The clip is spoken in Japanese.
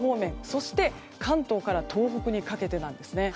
そして関東から東北にかけてです。